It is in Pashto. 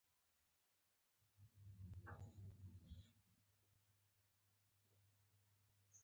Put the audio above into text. د کمبر ډولونه مستقیم، پارابول او مختلط دي